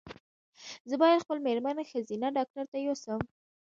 زه باید خپل مېرمن ښځېنه ډاکټري ته یو سم